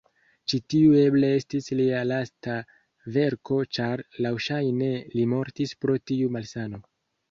Ĉi-tiu eble estis lia lasta verko ĉar laŭŝajne li mortis pro tiu malsano.